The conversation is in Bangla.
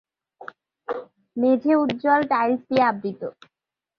মেঝে উজ্জ্বল টাইলস দিয়ে আবৃত।